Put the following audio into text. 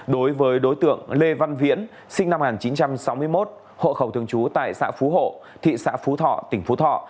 đối với đối tượng lê văn viễn sinh năm một nghìn chín trăm sáu mươi một hộ khẩu thường trú tại xã phú hộ thị xã phú thọ tỉnh phú thọ